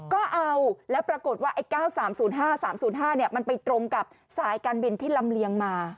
ก็เอาแล้วปรากฏว่าไอ้๙๓๐๕๓๐๕มันไปตรงกับสายการบินที่ลำเลียงมา